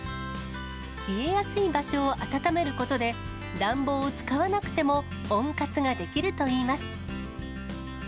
冷えやすい場所を温めることで、暖房を使わなくても温活ができるといいます。